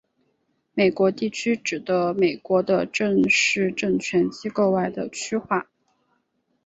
美国地区指的美国的正式政权机构外的区划。